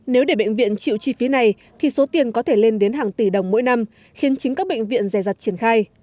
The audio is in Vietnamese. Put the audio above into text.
nếu để bệnh viện chịu chi phí này thì số tiền có thể lên đến hàng tỷ đồng mỗi năm khiến chính các bệnh viện dè dặt triển khai